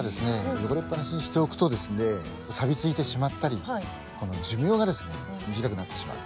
汚れっぱなしにしておくとですねさびついてしまったりこの寿命がですね短くなってしまう。